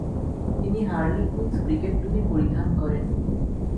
তিনি Harlequins cricket টুপি পরিধান করেন।